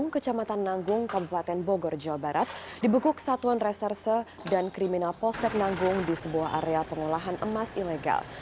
kecamatan nanggung kabupaten bogor jawa barat dibekuk satuan reserse dan kriminal polsek nanggung di sebuah area pengolahan emas ilegal